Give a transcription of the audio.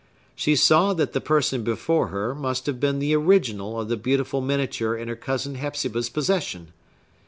She saw that the person before her must have been the original of the beautiful miniature in her cousin Hepzibah's possession.